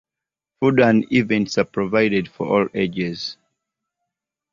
Food and events are provided for all ages.